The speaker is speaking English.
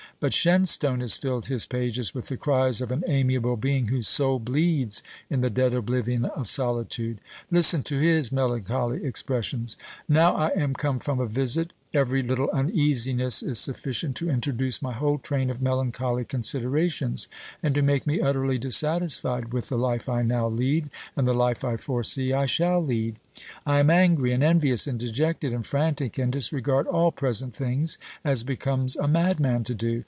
But Shenstone has filled his pages with the cries of an amiable being whose soul bleeds in the dead oblivion of solitude. Listen to his melancholy expressions: "Now I am come from a visit, every little uneasiness is sufficient to introduce my whole train of melancholy considerations, and to make me utterly dissatisfied with the life I now lead, and the life I foresee I shall lead. I am angry, and envious, and dejected, and frantic, and disregard all present things, as becomes a madman to do.